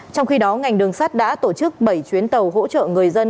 trong khi đó ngành đường sắt đã tổ chức bảy chuyến tàu hỗ trợ người dân